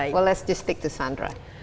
ayo kita berhenti dengan sandra